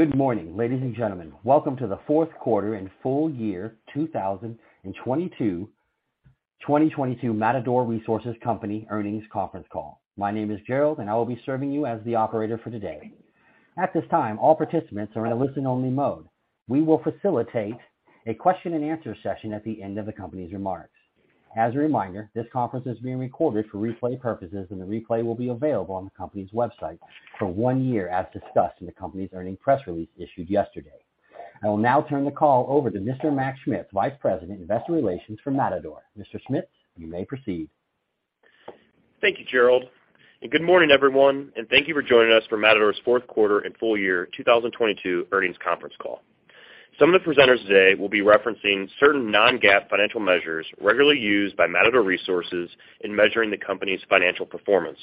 Good morning, ladies and gentlemen. Welcome to the fourth quarter and full year 2022 Matador Resources Company earnings conference call. My name is Gerald, and I will be serving you as the operator for today. At this time, all participants are in a listen-only mode. We will facilitate a question and answer session at the end of the company's remarks. As a reminder, this conference is being recorded for replay purposes, and the replay will be available on the company's website for one year, as discussed in the company's earnings press release issued yesterday. I will now turn the call over to Mr. Mac Schmitz, Vice President, Investor Relations for Matador. Mr. Schmitz, you may proceed. Thank you, Gerald. Good morning, everyone, and thank you for joining us for Matador's fourth quarter and full year 2022 earnings conference call. Some of the presenters today will be referencing certain non-GAAP financial measures regularly used by Matador Resources in measuring the company's financial performance.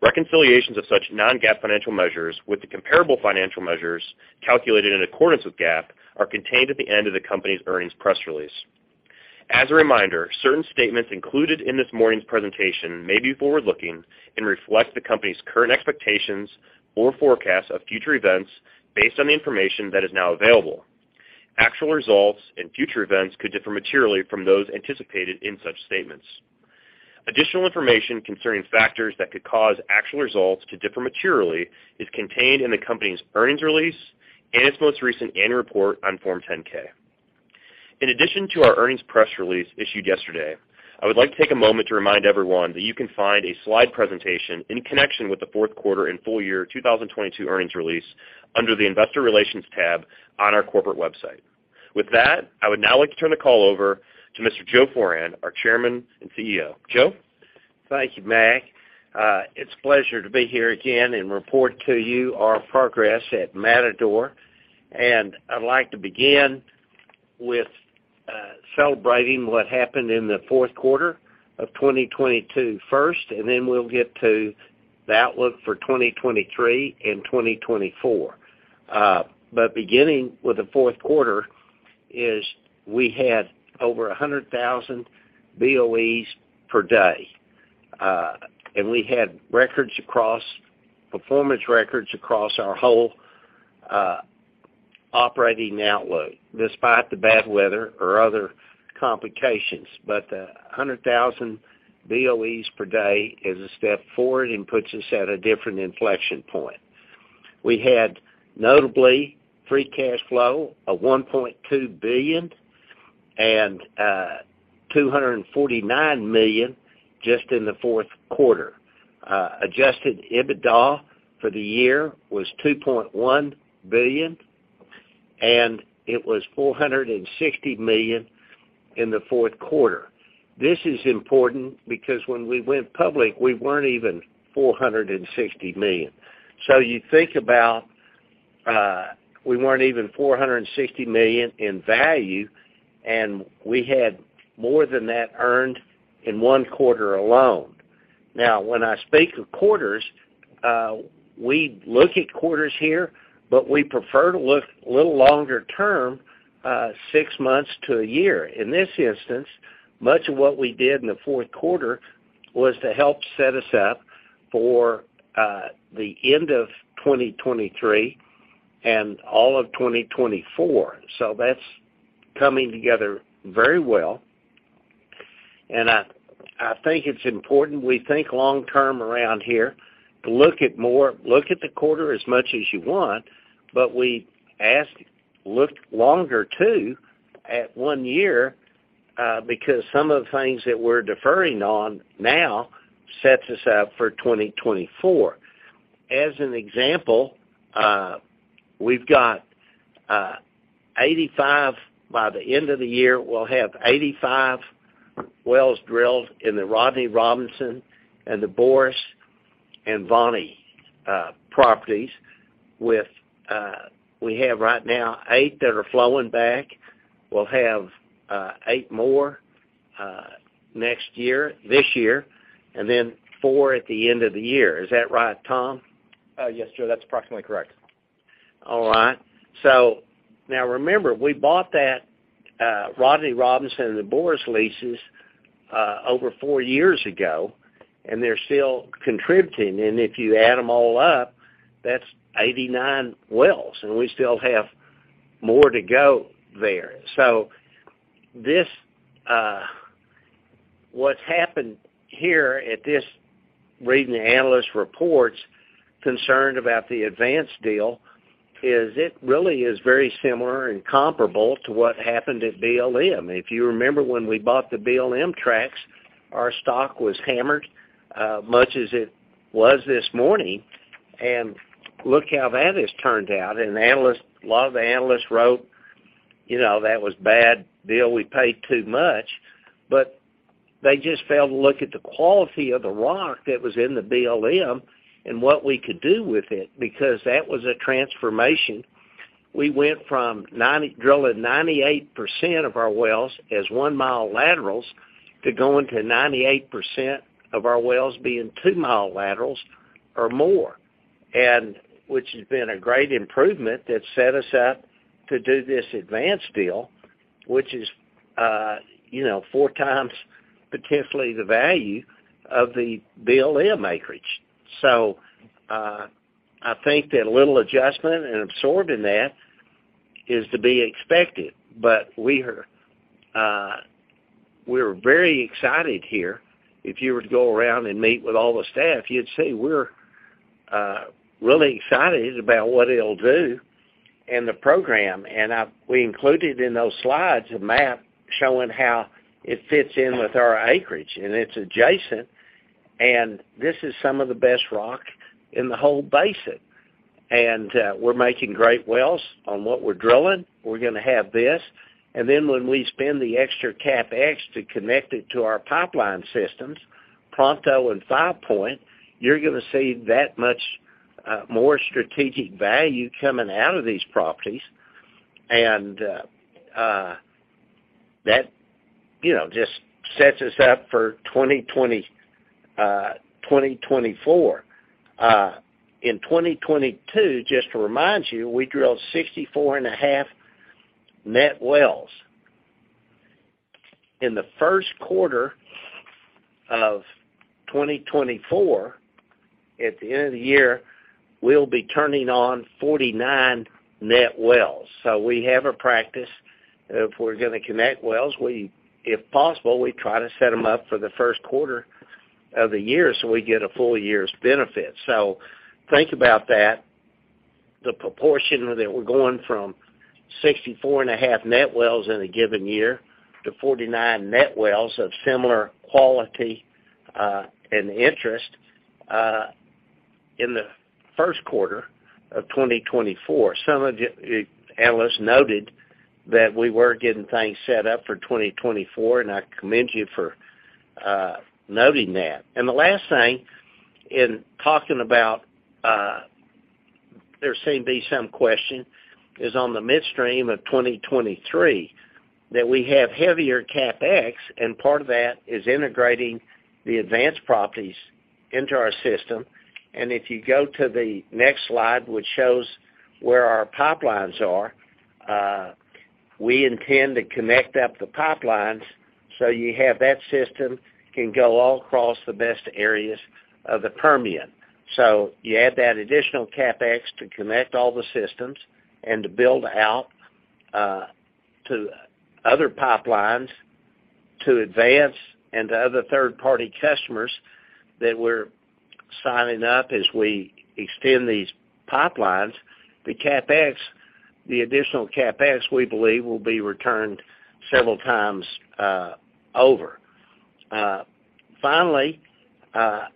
Reconciliations of such non-GAAP financial measures with the comparable financial measures calculated in accordance with GAAP are contained at the end of the company's earnings press release. As a reminder, certain statements included in this morning's presentation may be forward-looking and reflect the company's current expectations or forecasts of future events based on the information that is now available. Actual results and future events could differ materially from those anticipated in such statements. Additional information concerning factors that could cause actual results to differ materially is contained in the company's earnings release and its most recent annual report on Form 10-K. In addition to our earnings press release issued yesterday, I would like to take a moment to remind everyone that you can find a slide presentation in connection with the fourth quarter and full year 2022 earnings release under the Investor Relations tab on our corporate website. With that, I would now like to turn the call over to Mr. Joe Foran, our Chairman and CEO. Joe? Thank you, Mac. It's a pleasure to be here again and report to you our progress at Matador. I'd like to begin with celebrating what happened in the fourth quarter of 2022 first, then we'll get to the outlook for 2023 and 2024. Beginning with the fourth quarter, we had over 100,000 BOE per day, and we had performance records across our whole operating outlook, despite the bad weather or other complications. The 100,000 BOE per day is a step forward and puts us at a different inflection point. We had notably free cash flow of $1.2 billion and $249 million just in the fourth quarter. Adjusted EBITDA for the year was $2.1 billion, and it was $460 million in the fourth quarter. This is important because when we went public, we weren't even $460 million. You think about, we weren't even $460 million in value, and we had more than that earned in 1 quarter alone. When I speak of quarters, we look at quarters here, but we prefer to look a little longer term, six months to one year. In this instance, much of what we did in the fourth quarter was to help set us up for the end of 2023 and all of 2024. That's coming together very well. I think it's important we think long term around here to look at the quarter as much as you want, but we ask to look longer too at one year, because some of the things that we're deferring on now sets us up for 2024. As an example, we've got 85 by the end of the year, we'll have 85 wells drilled in the Rodney Robinson and the Boros and Voni properties with, we have right now eight that are flowing back. We'll have eight more next year, this year, and then four at the end of the year. Is that right, Tom? Yes, Joe, that's approximately correct. All right. Now remember, we bought that Rodney Robinson and the Boros leases over four years ago, and they're still contributing. If you add them all up, that's 89 wells, and we still have more to go there. This, what's happened here at this reading the analyst reports concerned about the Advance deal is it really is very similar and comparable to what happened at BLM. If you remember when we bought the BLM tracts, our stock was hammered, much as it was this morning, and look how that has turned out. A lot of the analysts wrote, you know, that was bad deal, we paid too much, they just failed to look at the quality of the rock that was in the BLM and what we could do with it, because that was a transformation. We went from drilling 98% of our wells as one-mile laterals to going to 98% of our wells being two-mile laterals or more, which has been a great improvement that set us up to do this Advance deal. Which is, you know, four times potentially the value of the BLM acreage. I think that a little adjustment and absorbing that is to be expected. We are, we're very excited here. If you were to go around and meet with all the staff, you'd see we're really excited about what it'll do and the program. We included in those slides a map showing how it fits in with our acreage, and it's adjacent. This is some of the best rock in the whole basin. We're making great wells on what we're drilling. We're gonna have this. When we spend the extra CapEx to connect it to our pipeline systems, Pronto and Five Point, you're gonna see that much more strategic value coming out of these properties. That, you know, just sets us up for 2024. In 2022, just to remind you, we drilled 64.5 net wells. In the first quarter of 2024, at the end of the year, we'll be turning on 49 net wells. We have a practice, if we're gonna connect wells, if possible, we try to set them up for the first quarter of the year, so we get a full year's benefit. Think about that, the proportion that we're going from 64.5 net wells in a given year to 49 net wells of similar quality and interest in the first quarter of 2024. Some of you analysts noted that we were getting things set up for 2024, and I commend you for noting that. The last thing in talking about, there seemed to be some question, is on the midstream of 2023, that we have heavier CapEx, and part of that is integrating the advanced properties into our system. If you go to the next slide, which shows where our pipelines are, we intend to connect up the pipelines, so you have that system can go all across the best areas of the Permian. You add that additional CapEx to connect all the systems and to build out to other pipelines, to Advance and to other third-party customers that we're signing up as we extend these pipelines. The CapEx, the additional CapEx, we believe, will be returned several times over. Finally, I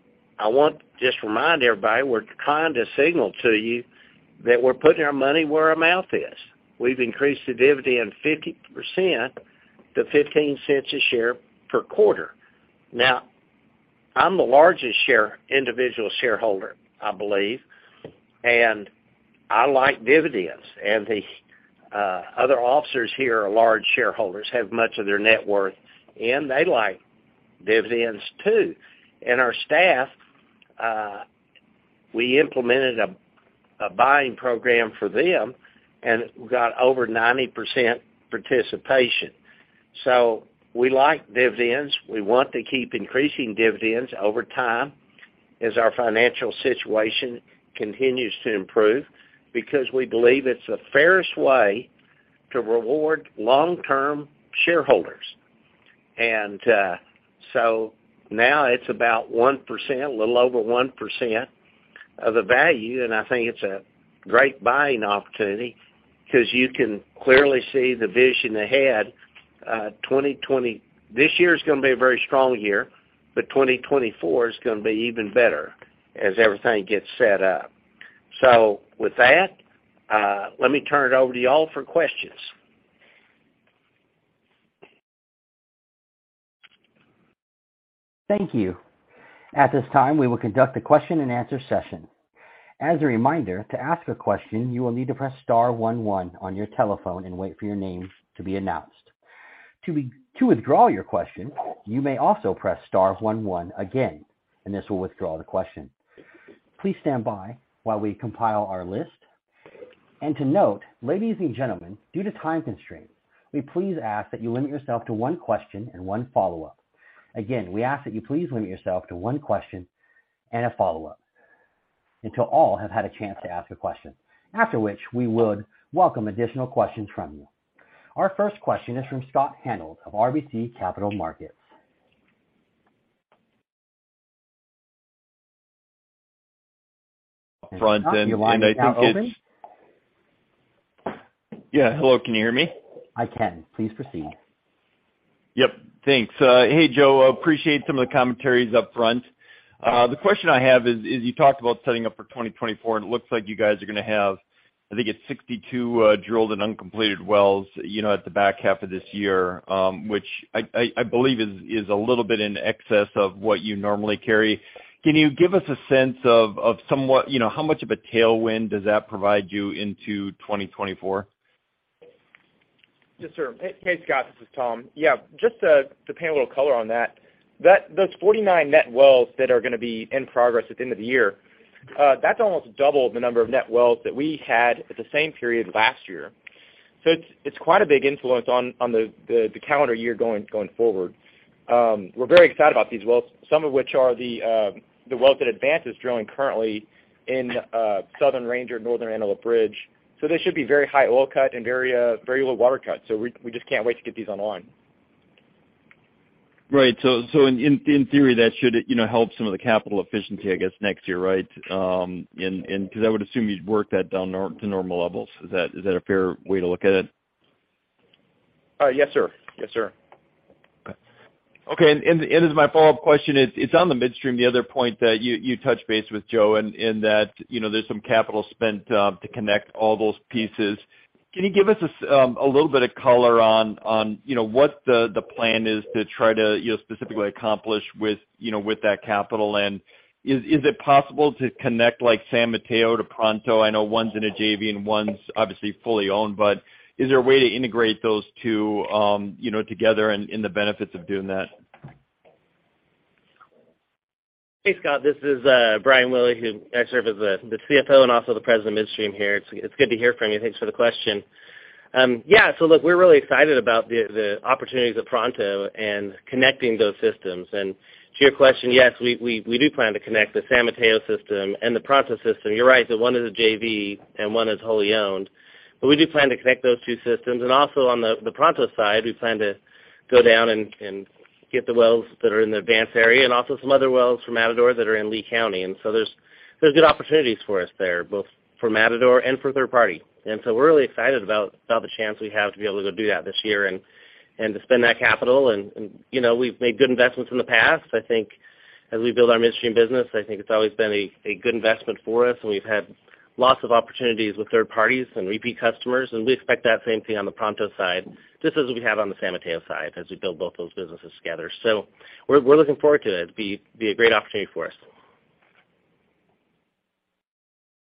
want to just remind everybody, we're trying to signal to you that we're putting our money where our mouth is. We've increased the dividend 50% to $0.15 a share per quarter. Now, I'm the largest individual shareholder, I believe, and I like dividends. The other officers here are large shareholders, have much of their net worth, and they like dividends, too. Our staff, we implemented a buying program for them, and we got over 90% participation. We like dividends. We want to keep increasing dividends over time as our financial situation continues to improve, because we believe it's the fairest way to reward long-term shareholders. Now it's about 1%, a little over 1% of the value, and I think it's a great buying opportunity because you can clearly see the vision ahead. This year's gonna be a very strong year, but 2024 is gonna be even better as everything gets set up. With that, let me turn it over to y'all for questions. Thank you. At this time, we will conduct a question-and-answer session. As a reminder, to ask a question, you will need to press star one one on your telephone and wait for your name to be announced. To withdraw your question, you may also press star one one again. This will withdraw the question. Please stand by while we compile our list. To note, ladies and gentlemen, due to time constraints, we please ask that you limit yourself to one question and one follow-up. Again, we ask that you please limit yourself to one question and a follow-up until all have had a chance to ask a question. After which, we would welcome additional questions from you. Our first question is from Scott Hanold of RBC Capital Markets. Up front, and I think it's... Your line is now open. Yeah, hello. Can you hear me? I can. Please proceed. Yep. Thanks. Hey, Joe. Appreciate some of the commentaries up front. The question I have is you talked about setting up for 2024, and it looks like you guys are gonna have, I think it's 62 drilled and uncompleted wells, you know, at the back half of this year, which I believe is a little bit in excess of what you normally carry. Can you give us a sense of somewhat, you know, how much of a tailwind does that provide you into 2024? Yes, sir. Hey, Scott, this is Tom. Yeah, just to paint a little color on those 49 net wells that are gonna be in progress at the end of the year. That's almost double the number of net wells that we had at the same period last year. It's, it's quite a big influence on the calendar year going forward. We're very excited about these wells, some of which are the wells that Advance is drilling currently in Southern Ranger, Northern Antelope Ridge. They should be very high oil cut and very low water cut, so we just can't wait to get these online. Right. In theory, that should, you know, help some of the capital efficiency, I guess, next year, right? Because I would assume you'd work that down to normal levels. Is that a fair way to look at it? Yes, sir. Yes, sir. Okay. As my follow-up question, it's on the midstream, the other point that you touched base with Joe and that, you know, there's some capital spent to connect all those pieces. Can you give us a little bit of color on, you know, what the plan is to try to, you know, specifically accomplish with, you know, with that capital? Is it possible to connect, like, San Mateo to Pronto? I know one's in a JV and one's obviously fully owned, but is there a way to integrate those two, you know, together and the benefits of doing that? Hey, Scott, this is Brian J. Willey who actually serve as the CFO and also the President of Midstream here. It's good to hear from you. Thanks for the question. We're really excited about the opportunities at Pronto and connecting those systems. To your question, yes, we do plan to connect the San Mateo system and the Pronto system. You're right that one is a JV and one is wholly owned. We do plan to connect those two systems. Also on the Pronto side, we plan to go down and get the wells that are in the Advance area and also some other wells from Matador that are in Lea County. There's good opportunities for us there, both for Matador and for third party. We're really excited about the chance we have to be able to do that this year and to spend that capital. You know, we've made good investments in the past. I think as we build our Midstream business, I think it's always been a good investment for us, and we've had lots of opportunities with third parties and repeat customers, and we expect that same thing on the Pronto side, just as we have on the San Mateo side, as we build both those businesses together. We're looking forward to it. It'd be a great opportunity for us.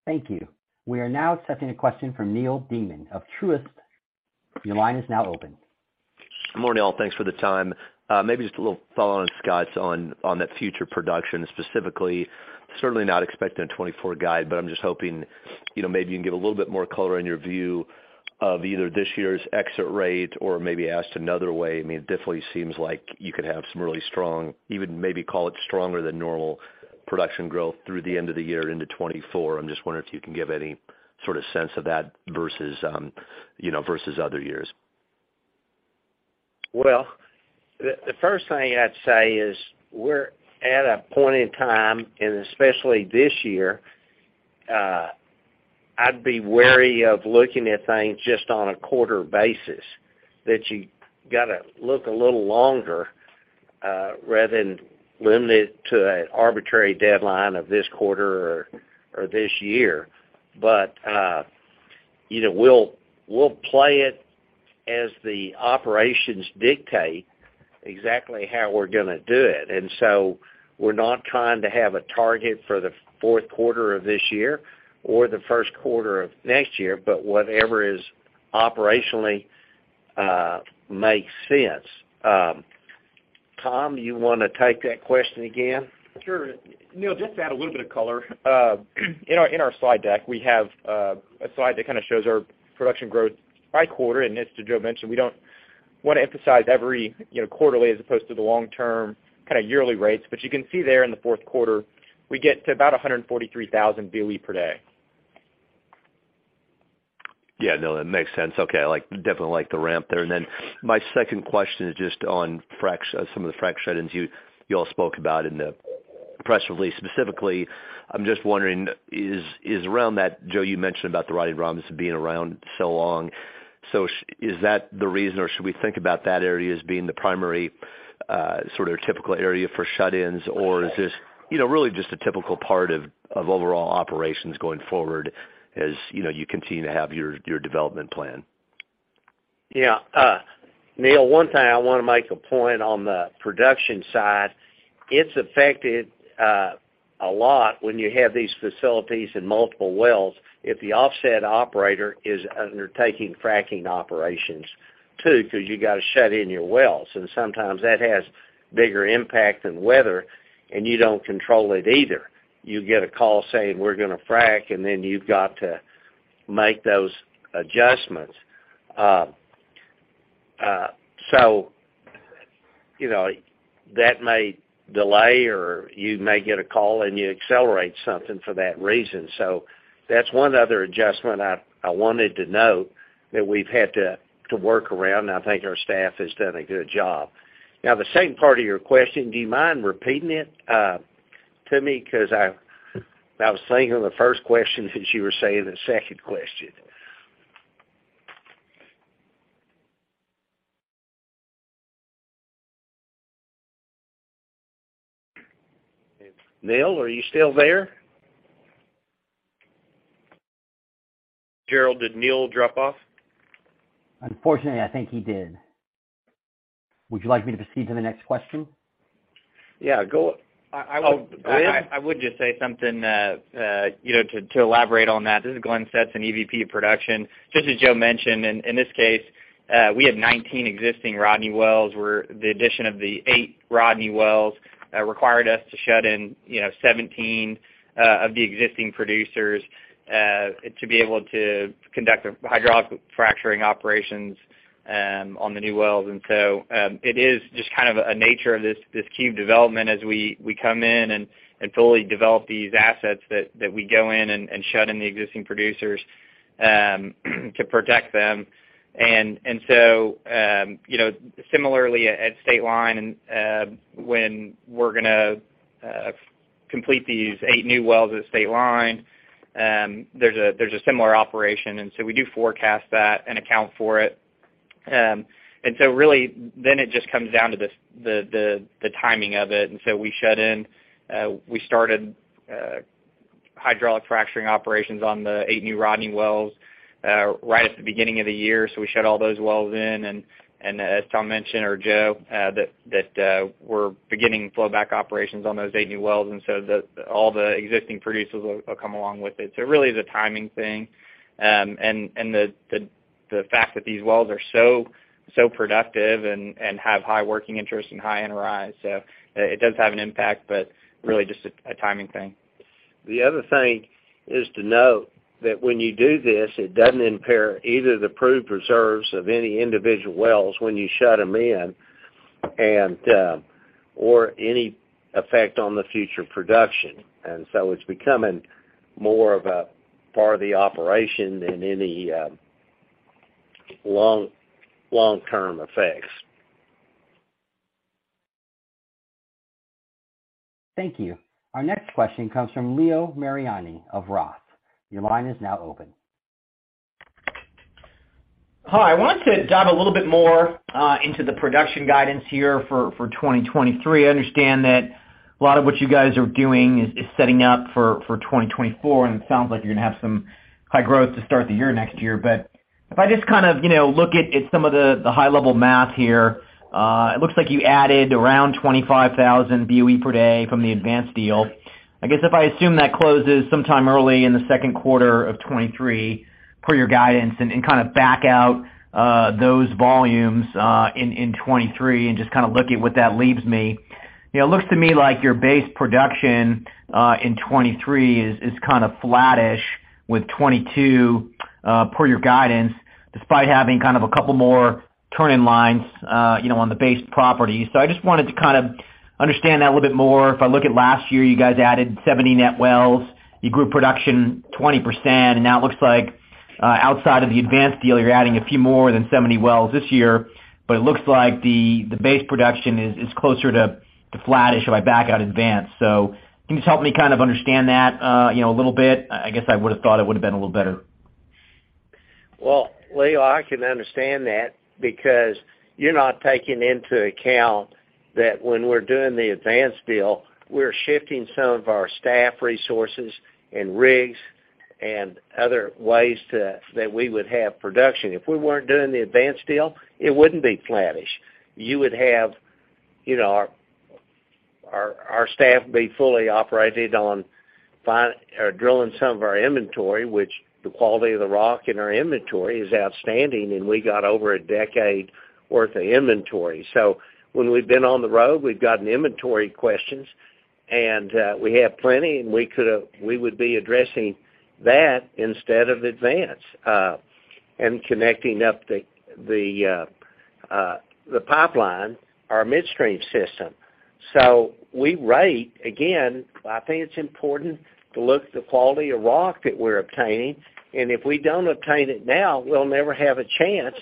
Thank you. We are now accepting a question from Neal Dingmann of Truist. Your line is now open. Good morning, all. Thanks for the time. Maybe just a little follow on Scott's on that future production specifically. Certainly not expecting a 2024 guide, but I'm just hoping, you know, maybe you can give a little bit more color in your view of either this year's exit rate or maybe asked another way. I mean, it definitely seems like you could have some really strong, even maybe call it stronger than normal production growth through the end of the year into 2024. I'm just wondering if you can give any sort of sense of that versus, you know, versus other years. Well, the first thing I'd say is we're at a point in time, and especially this year, I'd be wary of looking at things just on a quarter basis, that you gotta look a little longer, rather than limit it to an arbitrary deadline of this quarter or this year. You know, we'll play it as the operations dictate exactly how we're gonna do it. We're not trying to have a target for the fourth quarter of this year or the first quarter of next year, but whatever is operationally, makes sense. Tom, you wanna take that question again? Sure. Neal, just to add a little bit of color, in our, in our slide deck, we have a slide that kinda shows our production growth by quarter. As to Joe mentioned, we don't wanna emphasize every, you know, quarterly as opposed to the long-term kinda yearly rates. You can see there in the fourth quarter, we get to about 143,000 BOE per day. Yeah. No, that makes sense. Okay. I definitely like the ramp there. Then my second question is just on frac, some of the frac shut-ins you all spoke about in the press release. Specifically, I'm just wondering, is around that, Joe, you mentioned about the Rodney Robinson being around so long. Is that the reason or should we think about that area as being the primary sort of typical area for shut-ins? Or is this, you know, really just a typical part of overall operations going forward as, you know, you continue to have your development plan? Yeah. Neal, one thing I wanna make a point on the production side, it's affected a lot when you have these facilities in multiple wells if the offset operator is undertaking fracking operations too, 'cause you gotta shut in your wells. Sometimes that has bigger impact than weather, and you don't control it either. You get a call saying, "We're gonna frack," and then you've got to make those adjustments. So, you know, that may delay or you may get a call and you accelerate something for that reason. That's one other adjustment I wanted to note that we've had to work around. I think our staff has done a good job. Now, the second part of your question, do you mind repeating it to me? I was thinking of the first question as you were saying the second question. Neal, are you still there? Gerald, did Neal drop off? Unfortunately, I think he did. Would you like me to proceed to the next question? Yeah, I would... I would just say something, you know, to elaborate on that. This is Glenn Stetson, an EVP of Production. Just as Joe mentioned, in this case We had 19 existing Rodney wells where the addition of the eight Rodney wells required us to shut in, you know, 17 of the existing producers to be able to conduct the hydraulic fracturing operations on the new wells. It is just kind of a nature of this cube development as we come in and fully develop these assets that we go in and shut in the existing producers to protect them. You know, similarly at Stateline, when we're gonna complete these eight new wells at Stateline, there's a similar operation. We do forecast that and account for it. Really then it just comes down to this, the timing of it. We shut in, we started hydraulic fracturing operations on the eight new Rodney wells right at the beginning of the year. We shut all those wells in. As Tom mentioned or Joe, we're beginning flowback operations on those eight new wells, all the existing producers will come along with it. Really the timing thing. The fact that these wells are so productive and have high working interest and high NRI. It does have an impact, but really just a timing thing. The other thing is to note that when you do this, it doesn't impair either the proved reserves of any individual wells when you shut them in and, or any effect on the future production. It's becoming more of a part of the operation than any long-term effects. Thank you. Our next question comes from Leo Mariani of Roth. Your line is now open. Hi. I wanted to dive a little bit more into the production guidance here for 2023. I understand that a lot of what you guys are doing is setting up for 2024, and it sounds like you're gonna have some high growth to start the year next year. If I just kind of, you know, look at some of the high level math here, it looks like you added around 25,000 BOE per day from the Advance deal. I guess, if I assume that closes sometime early in the second quarter of 2023 per your guidance and kind of back out those volumes in 2023 and just kinda look at what that leaves me, you know, it looks to me like your base production in 2023 is kind of flattish with 2022 per your guidance, despite having kind of a couple more turn-in lines, you know, on the base property. I just wanted to kind of understand that a little bit more. If I look at last year, you guys added 70 net wells. You grew production 20%. Now it looks like outside of the Advance deal, you're adding a few more than 70 wells this year, but it looks like the base production is closer to flattish if I back out Advance. Can you just help me kind of understand that, you know, a little bit? I guess I would've thought it would've been a little better. Leo, I can understand that because you're not taking into account that when we're doing the Advance deal, we're shifting some of our staff resources and rigs and other ways that we would have production. If we weren't doing the Advance deal, it wouldn't be flattish. You would have, you know, our staff be fully operated on drilling some of our inventory, which the quality of the rock in our inventory is outstanding, and we got over a decade worth of inventory. When we've been on the road, we've gotten inventory questions, and we have plenty, and we would be addressing that instead of Advance, and connecting up the pipeline, our midstream system. We rate... Again, I think it's important to look at the quality of rock that we're obtaining, and if we don't obtain it now, we'll never have a chance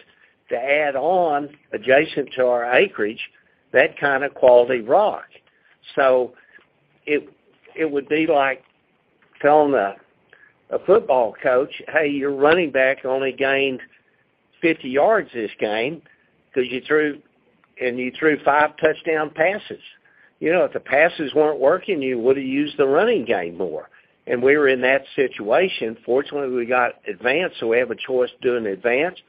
to add on adjacent to our acreage, that kind of quality rock. It would be like telling a football coach, "Hey, your running back only gained 50 yards this game because you threw five touchdown passes.". You know, if the passes weren't working, you would've used the running game more. We were in that situation. Fortunately, we got Advance, so we have a choice to doing Advance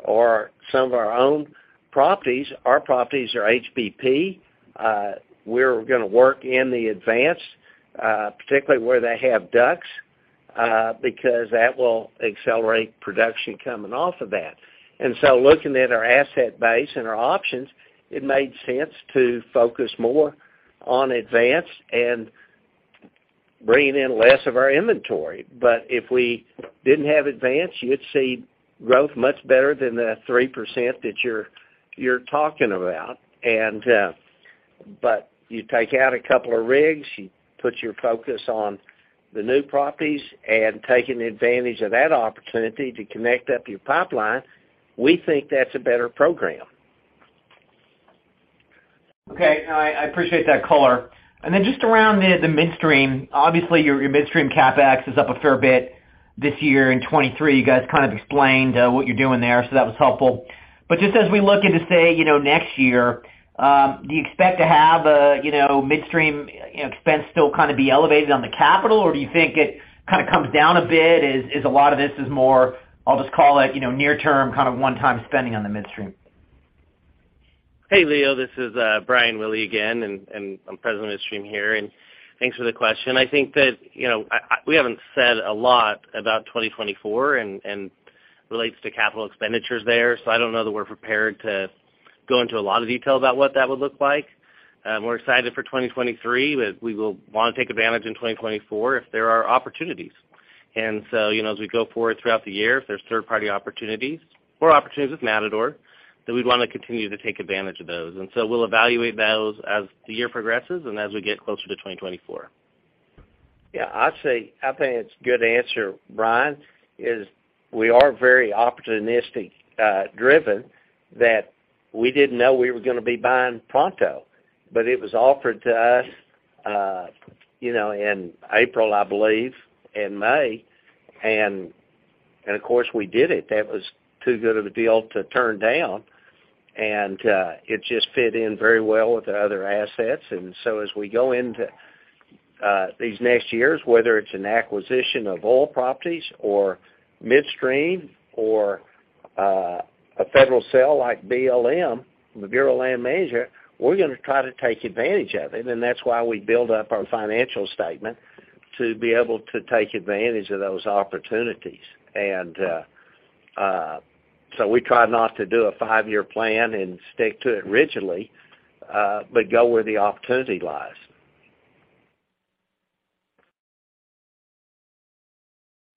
or some of our own properties. Our properties are HBP. We're gonna work in the Advance, particularly where they have DUCs, because that will accelerate production coming off of that. Looking at our asset base and our options, it made sense to focus more on Advance and bringing in less of our inventory. If we didn't have Advance, you'd see growth much better than the 3% that you're talking about. You take out a couple of rigs, you put your focus on the new properties and taking advantage of that opportunity to connect up your pipeline, we think that's a better program. Okay. No, I appreciate that color. Just around the midstream, obviously your midstream CapEx is up a fair bit this year in 2023. You guys kind of explained what you're doing there, so that was helpful. Just as we look into, say, you know, next year, do you expect to have a, you know, midstream, you know, expense still kind of be elevated on the capital? Do you think it kind of comes down a bit as a lot of this is more, I'll just call it, you know, near term, kind of one-time spending on the midstream? Hey, Leo, this is Brian Willey again, and I'm President of Midstream here, and thanks for the question. I think that, you know, we haven't said a lot about 2024 and relates to capital expenditures there. I don't know that we're prepared to go into a lot of detail about what that would look like. We're excited for 2023. We will wanna take advantage in 2024 if there are opportunities. You know, as we go forward throughout the year, if there's third-party opportunities or opportunities with Matador, then we'd wanna continue to take advantage of those. We'll evaluate those as the year progresses and as we get closer to 2024. Yeah. I'd say, I think it's a good answer, Brian, is we are very opportunistic, driven that we didn't know we were gonna be buying Pronto, but it was offered to us, you know, in April, I believe, and May. Of course, we did it. That was too good of a deal to turn down. It just fit in very well with the other assets. As we go into, these next years, whether it's an acquisition of oil properties or midstream or, a federal sale like BLM, the Bureau of Land Management, we're gonna try to take advantage of it. That's why we build up our financial statement to be able to take advantage of those opportunities. We try not to do a five-year plan and stick to it rigidly, but go where the opportunity lies.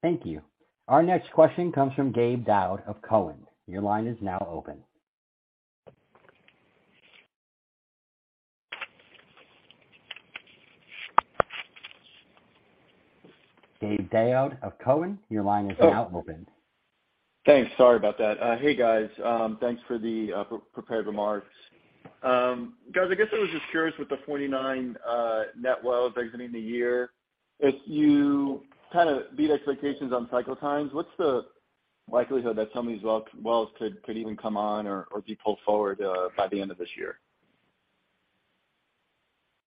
Thank you. Our next question comes from Gabe Daoud of Cowen. Your line is now open. Gabe Daoud of Cowen, your line is now open. Thanks. Sorry about that. Hey, guys, thanks for the pre-prepared remarks. Guys, I guess I was just curious with the 49 net wells exiting the year. If you kinda beat expectations on cycle times, what's the likelihood that some of these wells could even come on or be pulled forward by the end of this year?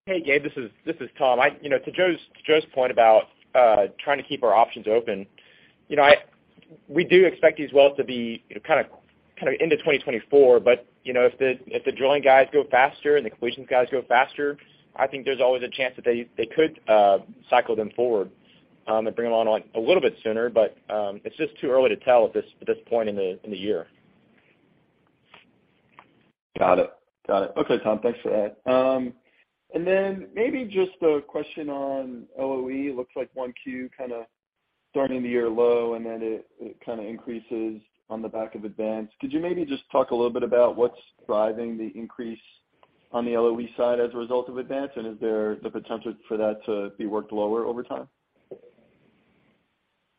Hey, Gabe, this is Tom. You know, to Joe's point about trying to keep our options open, you know, we do expect these wells to be, you know, kinda into 2024, but, you know, if the drilling guys go faster and the completions guys go faster, I think there's always a chance that they could cycle them forward and bring them on like a little bit sooner. It's just too early to tell at this point in the year. Got it. Got it. Okay, Tom, thanks for that. Maybe just a question on LOE. It looks like 1Q kinda starting the year low, then it kinda increases on the back of Advance. Could you maybe just talk a little bit about what's driving the increase on the LOE side as a result of Advance? Is there the potential for that to be worked lower over time?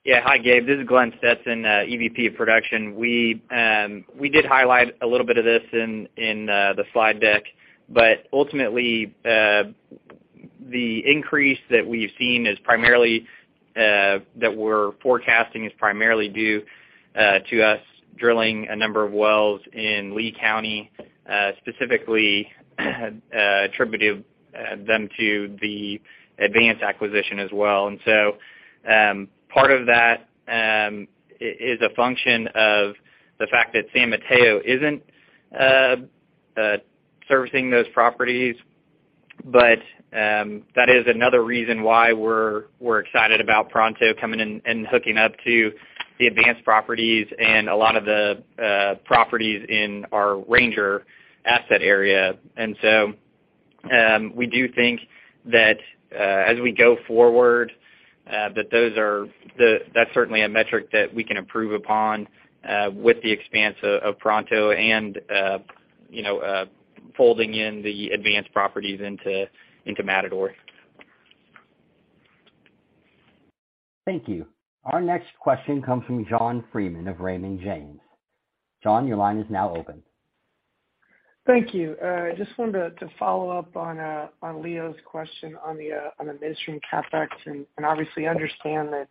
Yeah. Hi, Gabe. This is Glenn Stetson, EVP of Production. We did highlight a little bit of this in the slide deck, but ultimately, the increase that we've seen is primarily that we're forecasting is primarily due to us drilling a number of wells in Lea County, specifically, attributed them to the Advance acquisition as well. Part of that is a function of the fact that San Mateo isn't servicing those properties. That is another reason why we're excited about Pronto coming in and hooking up to the Advance properties and a lot of the properties in our Ranger asset area. We do think that, as we go forward, that's certainly a metric that we can improve upon, with the expanse of Pronto and, you know, folding in the Advanced properties into Matador. Thank you. Our next question comes from John Freeman of Raymond James. John, your line is now open. Thank you. I just wanted to follow up on Leo's question on the midstream CapEx, and obviously understand that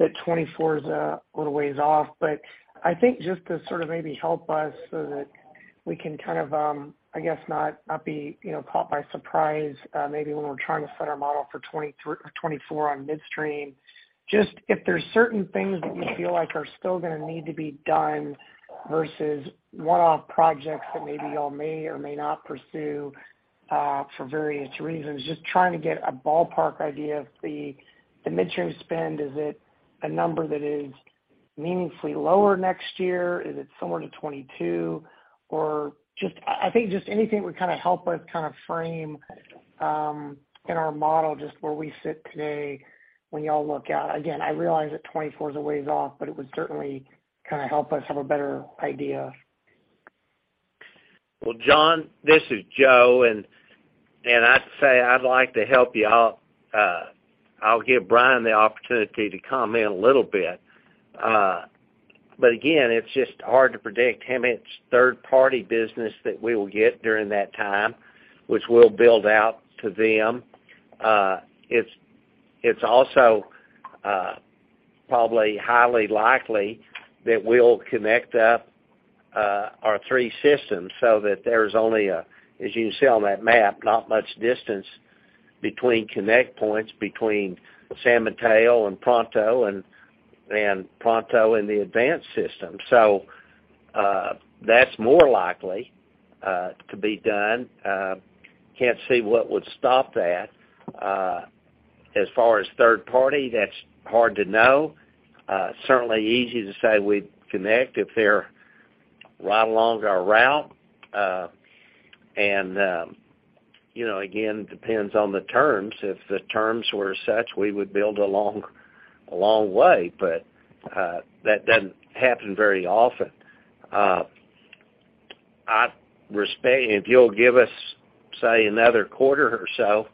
2024 is a little ways off. I think just to sort of maybe help us so that we can kind of, I guess not be, you know, caught by surprise, maybe when we're trying to set our model for 2024 on midstream. Just if there's certain things that you feel like are still gonna need to be done versus one-off projects that maybe y'all may or may not pursue for various reasons. Just trying to get a ballpark idea of the midstream spend. Is it a number that is meaningfully lower next year? Is it similar to 2022? Or just... I think just anything would kind of help us kind of frame in our model just where we sit today when y'all look out. Again, I realize that 2024 is a ways off, but it would certainly kind of help us have a better idea. Well, John, this is Joe, and I'd say I'd like to help you out. I'll give Brian the opportunity to comment a little bit. Again, it's just hard to predict how much third-party business that we will get during that time, which we'll build out to them. It's, it's also probably highly likely that we'll connect up our three systems so that there's only. As you can see on that map, not much distance between connect points, between San Mateo and Pronto, and Pronto and the Advance system. That's more likely to be done. Can't see what would stop that. As far as third party, that's hard to know. Certainly easy to say we'd connect if they're right along our route. You know, again, depends on the terms. If the terms were such, we would build a long way, that doesn't happen very often. If you'll give us, say, another quarter or so,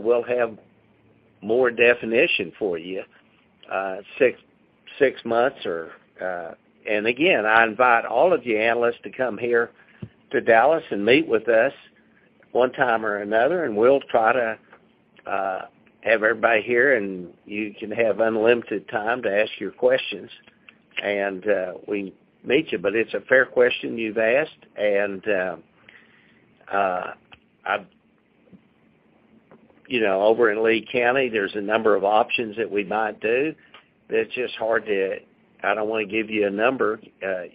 we'll have more definition for you, six months or... Again, I invite all of you analysts to come here to Dallas and meet with us one time or another, and we'll try to have everybody here, and you can have unlimited time to ask your questions, and we meet you. It's a fair question you've asked. You know, over in Lea County, there's a number of options that we might do. It's just hard to... I don't wanna give you a number,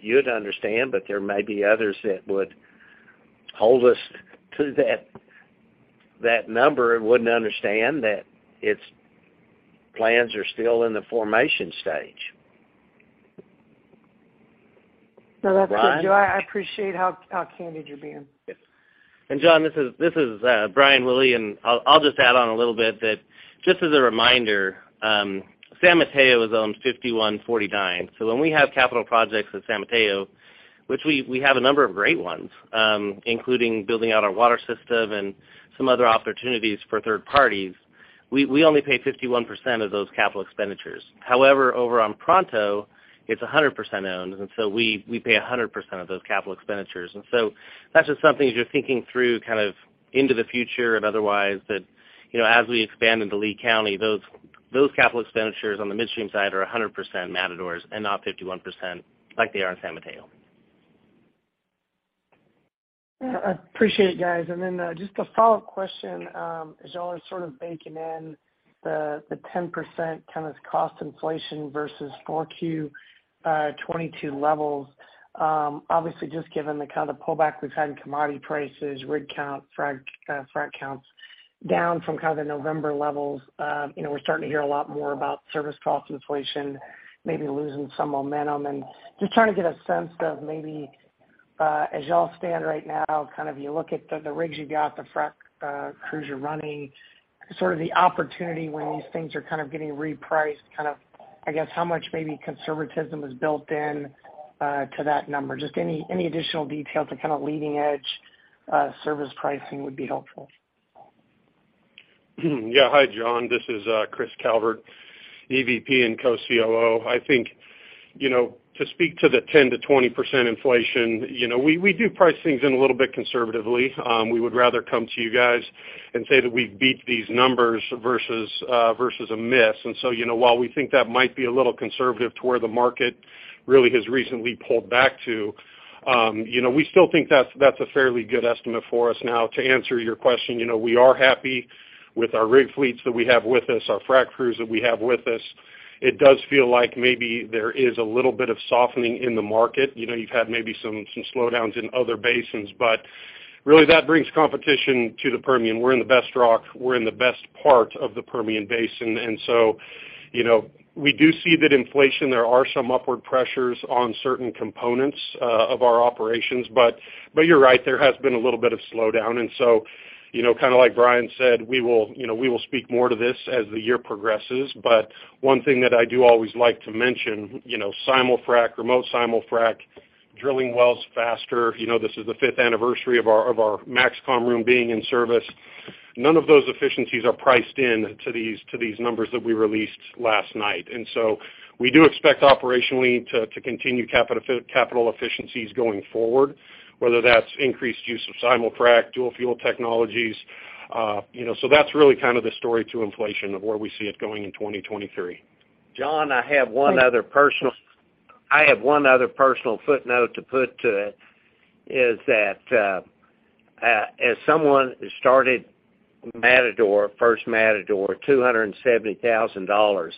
you'd understand. There may be others that would hold us to that number and wouldn't understand that its plans are still in the formation stage. No, that's good, Joe. Brian? I appreciate how candid you're being. Yes. John, this is Brian Willey, and I'll just add on a little bit that just as a reminder, San Mateo is owned 51-49. When we have capital projects with San Mateo, which we have a number of great ones, including building out our water system and some other opportunities for third parties, we only pay 51% of those capital expenditures. However, over on Pronto, it's 100% owned, so we pay 100% of those capital expenditures. That's just something, as you're thinking through kind of into the future and otherwise, that, you know, as we expand into Lea County, those capital expenditures on the midstream side are 100% Matador's and not 51% like they are in San Mateo. Yeah, I appreciate it, guys. Then, just a follow-up question, as y'all are sort of baking in the 10% kind of cost inflation versus Q4 2022 levels, obviously, just given the kind of pullback we've had in commodity prices, rig count, frac counts down from kind of the November levels, you know, we're starting to hear a lot more about service cost inflation maybe losing some momentum. Just trying to get a sense of maybe, as y'all stand right now, kind of you look at the rigs you've got, the frac crews you're running, sort of the opportunity when these things are kind of getting repriced, kind of, I guess, how much maybe conservatism is built in to that number? Just any additional details or kind of leading edge, service pricing would be helpful. Yeah. Hi, John. This is Chris Calvert, EVP and Co-COO. I think, you know, to speak to the 10%-20% inflation, you know, we do price things in a little bit conservatively. We would rather come to you guys and say that we beat these numbers versus versus a miss. While we think that might be a little conservative to where the market really has recently pulled back to, you know, we still think that's a fairly good estimate for us. To answer your question, you know, we are happy with our rig fleets that we have with us, our frac crews that we have with us. It does feel like maybe there is a little bit of softening in the market. You know, you've had maybe some slowdowns in other basins, but really, that brings competition to the Permian. We're in the best rock. We're in the best part of the Permian Basin. You know, we do see that inflation. There are some upward pressures on certain components of our operations. You're right, there has been a little bit of slowdown. You know, kinda like Brian said, we will, you know, speak more to this as the year progresses. One thing that I do always like to mention, you know, simul-frac, remote simul-frac, drilling wells faster, you know, this is the fifth anniversary of our MAXCOM room being in service. None of those efficiencies are priced in to these numbers that we released last night. We do expect operationally to continue capital efficiencies going forward, whether that's increased use of simul-frac, dual fuel technologies, you know, so that's really kind of the story to inflation of where we see it going in 2023. John, I have one other personal footnote to put to it, is that as someone who started Matador, first Matador, $270,000,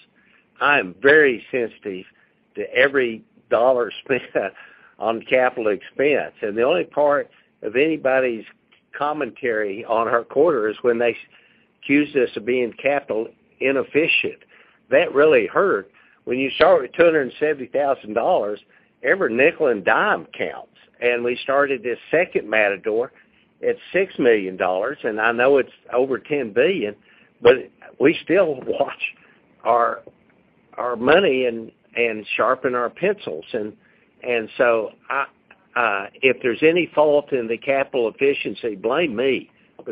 I am very sensitive to every dollar spent on capital expense. The only part of anybody's commentary on our quarter is when they accused us of being capital inefficient. That really hurt. When you start with $270,000, every nickel and dime counts. We started this second Matador at $6 million, and I know it's over $10 billion, but we still watch our money and sharpen our pencils. So I, if there's any fault in the capital efficiency, blame me.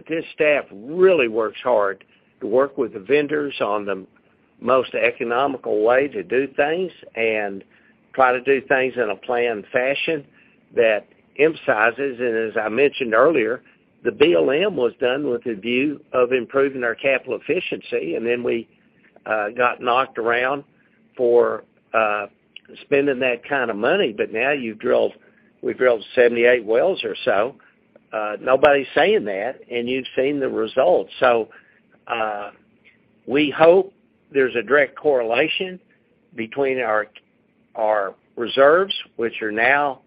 This staff really works hard to work with the vendors on the most economical way to do things and try to do things in a planned fashion that emphasizes, and as I mentioned earlier, the BLM was done with the view of improving our capital efficiency. We got knocked around. For spending that kind of money, but now we've drilled 78 wells or so, nobody's saying that, and you've seen the results. We hope there's a direct correlation between our reserves, which are now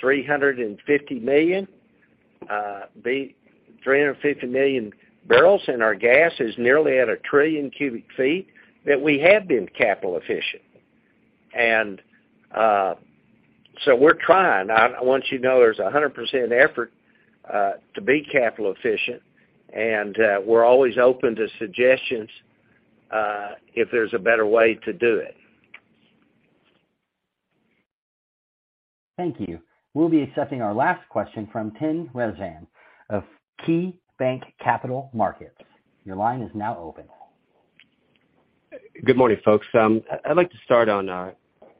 350 million barrels, and our gas is nearly at one trillion cubic feet, that we have been capital efficient. We're trying. I want you to know there's a 100% effort to be capital efficient, and we're always open to suggestions if there's a better way to do it. Thank you. We'll be accepting our last question from Tim Rezvan of KeyBanc Capital Markets. Your line is now open. Good morning, folks. I'd like to start on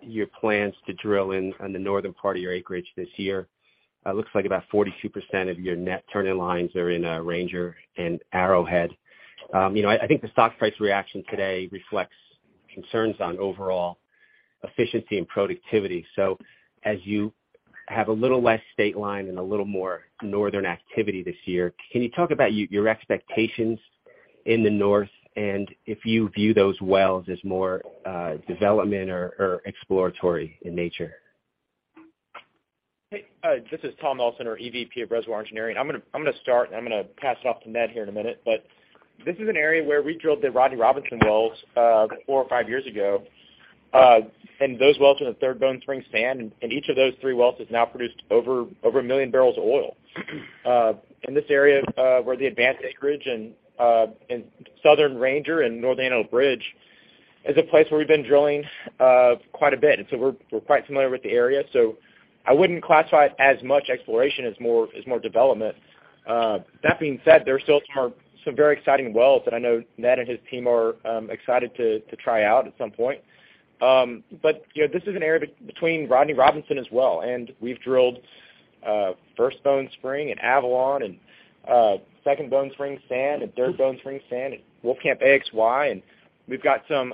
your plans to drill on the northern part of your acreage this year. It looks like about 42% of your net turning lines are in Ranger and Arrowhead. You know, I think the stock price reaction today reflects concerns on overall efficiency and productivity. As you have a little less Stateline and a little more northern activity this year, can you talk about your expectations in the north, and if you view those wells as more development or exploratory in nature? Hey, this is Tom Elsener, our EVP of Reservoir Engineering. I'm gonna start, and I'm gonna pass it off to Ned here in a minute. This is an area where we drilled the Rodney Robinson wells, four or five years ago, and those wells are in the Third Bone Spring Sand, and each of those three wells has now produced over one million barrels of oil. In this area, where the advanced acreage and Southern Ranger and Antelope Ridge is a place where we've been drilling, quite a bit. We're quite familiar with the area, so I wouldn't classify it as much exploration as more development. That being said, there's still some very exciting wells that I know Ned and his team are excited to try out at some point. You know, this is an area between Rodney Robinson as well, and we've drilled First Bone Spring and Avalon and Second Bone Spring Sand and Third Bone Spring Sand and Wolfcamp AXY, and we've got some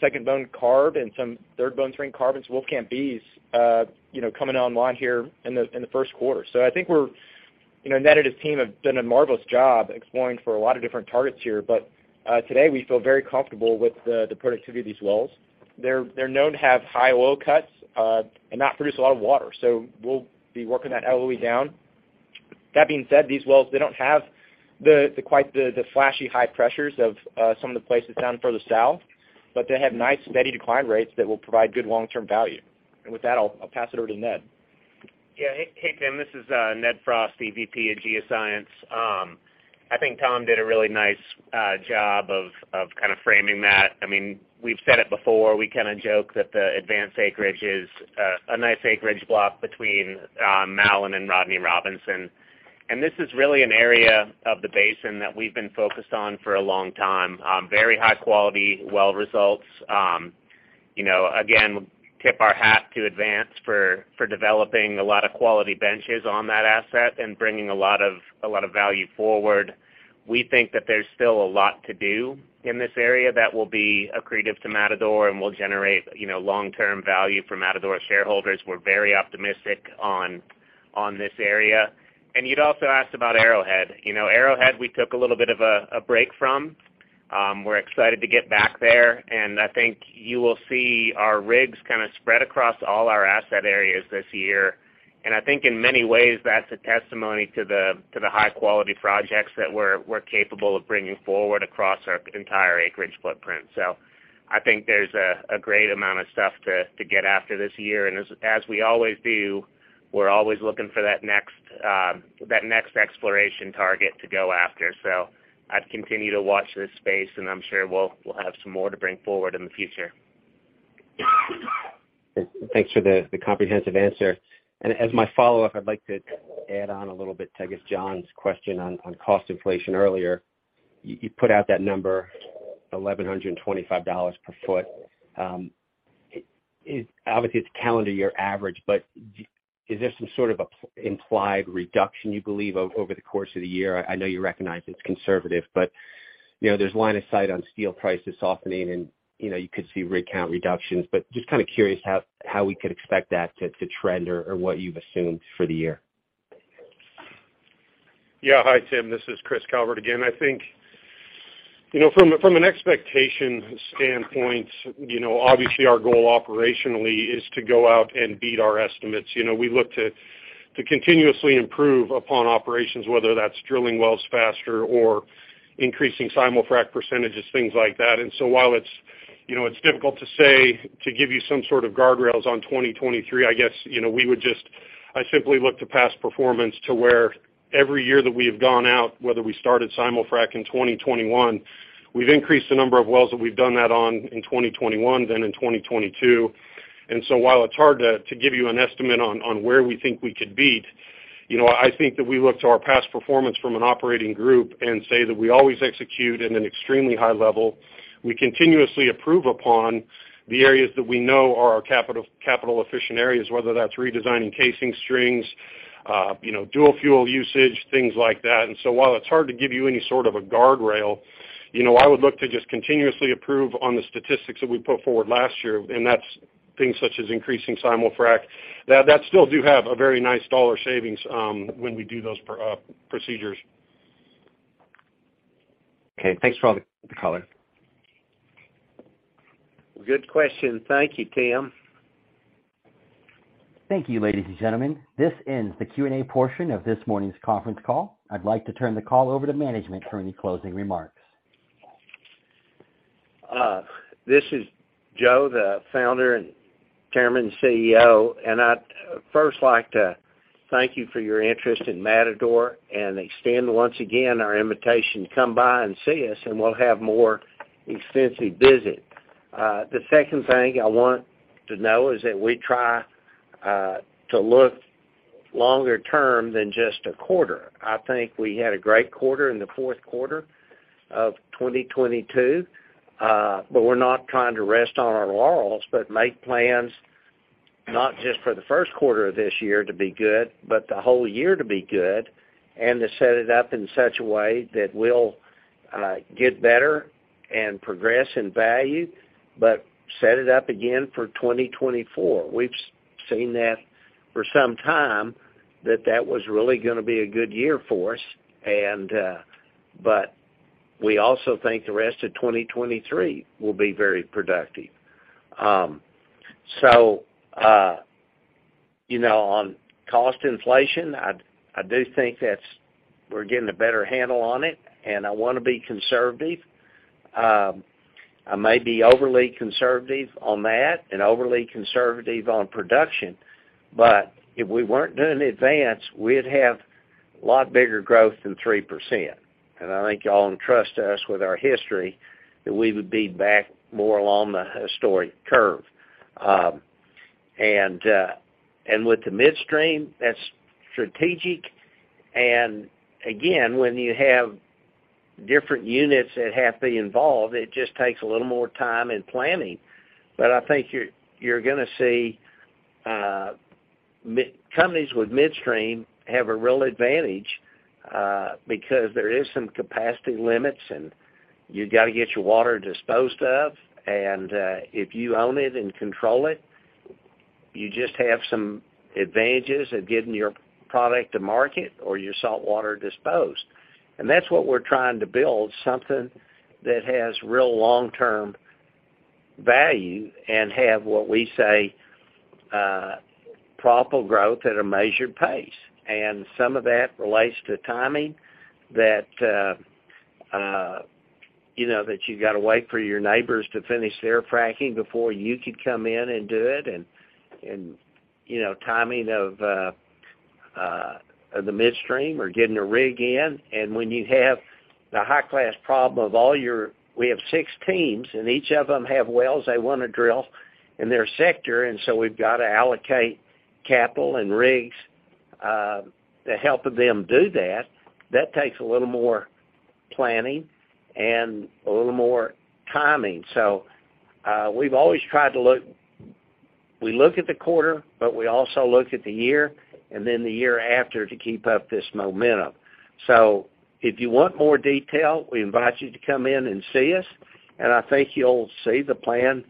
Second Bone Carb and some Third Bone Spring Carbs and Wolfcamp Bs, you know, coming online here in the first quarter. I think we're, you know, Ned and his team have done a marvelous job exploring for a lot of different targets here. Today, we feel very comfortable with the productivity of these wells. They're known to have high oil cuts, and not produce a lot of water, so we'll be working that LOE down. That being said, these wells, they don't have the quite the flashy high pressures of some of the places down further south, but they have nice, steady decline rates that will provide good long-term value. With that, I'll pass it over to Ned. Yeah. Hey, Tim, this is Ned Frost, EVP of Geoscience. I think Tom did a really nice job of kind of framing that. I mean, we've said it before. We kind of joke that the Advance acreage is a nice acreage block between Mallon and Rodney Robinson. This is really an area of the basin that we've been focused on for a long time. Very high quality well results. You know, again, tip our hat to Advance for developing a lot of quality benches on that asset and bringing a lot of value forward. We think that there's still a lot to do in this area that will be accretive to Matador and will generate, you know, long-term value for Matador shareholders. We're very optimistic on this area. You'd also asked about Arrowhead. You know, Arrowhead, we took a little bit of a break from. We're excited to get back there. I think you will see our rigs kind of spread across all our asset areas this year. I think in many ways that's a testimony to the high-quality projects that we're capable of bringing forward across our entire acreage footprint. I think there's a great amount of stuff to get after this year. As we always do, we're always looking for that next exploration target to go after. I'd continue to watch this space, and I'm sure we'll have some more to bring forward in the future. Thanks for the comprehensive answer. As my follow-up, I'd like to add on a little bit to, I guess, John's question on cost inflation earlier. You put out that number, $1,125 per foot. is obviously, it's calendar year average, but is there some sort of a implied reduction you believe over the course of the year? I know you recognize it's conservative, but, you know, there's line of sight on steel prices softening and, you know, you could see rig count reductions. Just kind of curious how we could expect that to trend or what you've assumed for the year. Yeah. Hi, Tim. This is Chris Calvert again. I think, you know, from an expectation standpoint, you know, obviously, our goal operationally is to go out and beat our estimates. You know, we look to continuously improve upon operations, whether that's drilling wells faster or increasing simul-frac percentages, things like that. While it's, you know, it's difficult to say, to give you some sort of guardrails on 2023, I guess, you know, I simply look to past performance to where every year that we have gone out, whether we started simul-frac in 2021, we've increased the number of wells that we've done that on in 2021 than in 2022. While it's hard to give you an estimate on where we think we could beat, you know, I think that we look to our past performance from an operating group and say that we always execute at an extremely high level. We continuously improve upon the areas that we know are our capital efficient areas, whether that's redesigning casing strings, you know, dual fuel usage, things like that. While it's hard to give you any sort of a guardrail, you know, I would look to just continuously improve on the statistics that we put forward last year, and that's things such as increasing simul-frac. That still do have a very nice dollar savings when we do those procedures. Okay. Thanks for all the color. Good question. Thank you, Tim. Thank you, ladies and gentlemen. This ends the Q&A portion of this morning's conference call. I'd like to turn the call over to management for any closing remarks. This is Joe, the Founder and Chairman and CEO. I'd first like to thank you for your interest in Matador and extend once again our invitation to come by and see us, and we'll have more extensive visit. The second thing I want to know is that we try to look longer term than just a quarter. I think we had a great quarter in the fourth quarter of 2022, but we're not trying to rest on our laurels, but make plans not just for the first quarter of this year to be good, but the whole year to be good, and to set it up in such a way that we'll get better and progress in value, but set it up again for 2024. We've seen that for some time that that was really gonna be a good year for us, but we also think the rest of 2023 will be very productive. You know, on cost inflation, I do think that's, we're getting a better handle on it, and I wanna be conservative. I may be overly conservative on that and overly conservative on production, but if we weren't doing the Advance, we'd have a lot bigger growth than 3%. I think y'all entrust us with our history that we would be back more along the historic curve. With the midstream, that's strategic. Again, when you have different units that have to be involved, it just takes a little more time in planning. I think you're gonna see companies with midstream have a real advantage because there is some capacity limits, and you gotta get your water disposed of. If you own it and control it, you just have some advantages of getting your product to market or your saltwater disposed. That's what we're trying to build, something that has real long-term value and have what we say, profitable growth at a measured pace. Some of that relates to timing that, you know, that you've got to wait for your neighbors to finish their fracking before you could come in and do it. You know, timing of the midstream or getting a rig in. When you have the high class problem of we have six teams, each of them have wells they wanna drill in their sector, we've got to allocate capital and rigs to help them do that. That takes a little more planning and a little more timing. We've always tried to We look at the quarter, we also look at the year and then the year after to keep up this momentum. If you want more detail, we invite you to come in and see us, I think you'll see the plan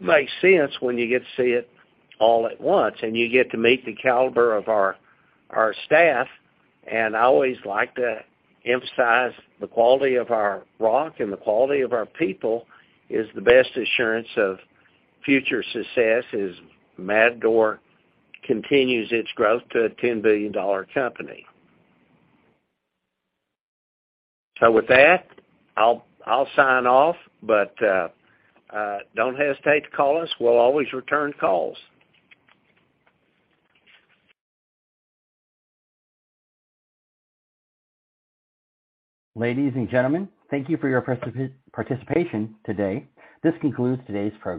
makes sense when you get to see it all at once, you get to meet the caliber of our staff. I always like to emphasize the quality of our rock and the quality of our people is the best assurance of future success as Matador continues its growth to a $10 billion company. With that, I'll sign off, but don't hesitate to call us. We'll always return calls. Ladies and gentlemen, thank you for your participation today. This concludes today's program.